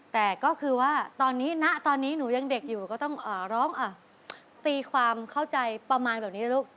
แต่ก็คือว่าตอนนี้ณตอนนี้หนูยังเด็กอยู่ก็ต้องร้องตีความเข้าใจประมาณแบบนี้นะลูก